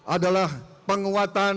adalah hal yang harus kita lakukan